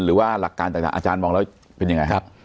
หรือว่าหลักการต่างอาจารย์มองแล้วเป็นยังไงครับ